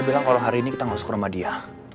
gue bilang kalo hari ini kita ga masuk ke rumah dia